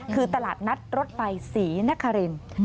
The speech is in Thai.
คือตลาดนัดรถไฟศรีนคริน